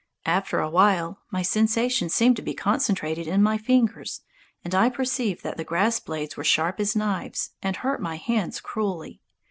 After a while my sensations seemed to be concentrated in my fingers, and I perceived that the grass blades were sharp as knives, and hurt my hands cruelly.